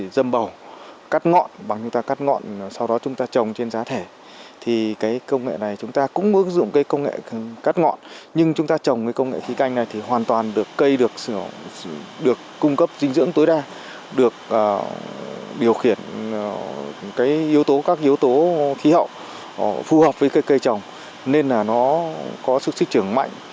điều khiển các yếu tố khí hậu phù hợp với cây trồng nên là nó có sức trưởng mạnh